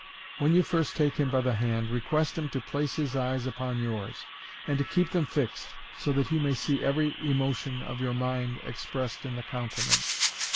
When you first take him by the hand, request him to place his eyes upon yours, and to keep them fixed, so that he may see every emotion of your mind expressed in the countenance.